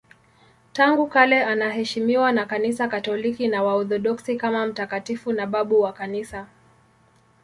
Tangu kale anaheshimiwa na Kanisa Katoliki na Waorthodoksi kama mtakatifu na babu wa Kanisa.